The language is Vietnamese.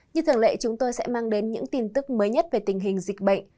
như thường lệ chúng tôi sẽ mang đến những tin tức mới nhất về tình hình dịch bệnh